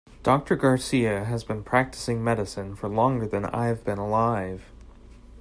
Doctor Garcia has been practicing medicine for longer than I have been alive.